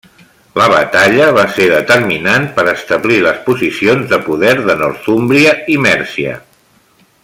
La batalla va ser determinant per establir les posicions de poder de Northúmbria i Mèrcia.